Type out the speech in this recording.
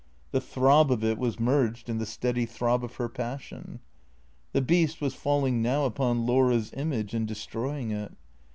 The throb of it was merged in the steady throb of her passion. The beast was falling now upon Laura's image and destroy ing it.